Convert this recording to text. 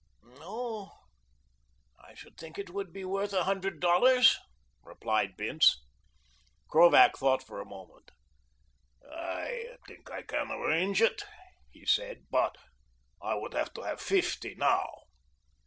"Oh, I should think it ought to be worth a hundred dollars," replied Bince. Krovac thought for a moment. "I think I can arrange it," he said, "but I would have to have fifty now."